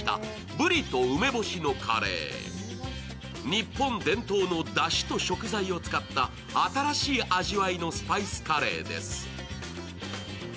日本伝統のだしと食材を使った新しい味わいのスパイスカレーです。